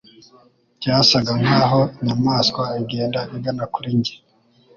Byasaga nkaho inyamaswa igenda igana kuri njye